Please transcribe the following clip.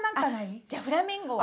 あっじゃあフラミンゴは？